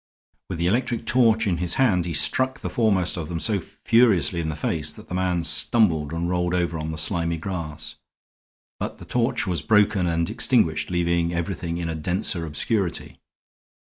With the electric torch in his hand he struck the foremost of them so furiously in the face that the man stumbled and rolled over on the slimy grass; but the torch was broken and extinguished, leaving everything in a denser obscurity.